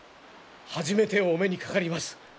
初めてお目にかかります。